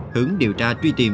hướng điều tra truy tìm